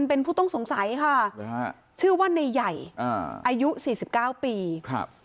เป็นผู้ต้องสงสัยค่ะหรือฮะชื่อว่าในใหญ่อ่าอายุสี่สิบเก้าปีครับ